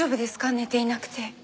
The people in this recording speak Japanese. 寝ていなくて。